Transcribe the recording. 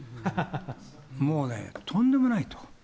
もうね、とんでもないと。